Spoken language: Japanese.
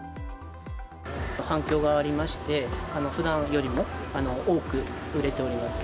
反響がありまして、ふだんよりも多く売れております。